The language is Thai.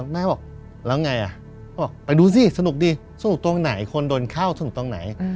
แม่บอกแล้วไงบอกไปดูสิสนุกดีสนุกตรงไหนคนโดนเข้าสนุกตรงไหน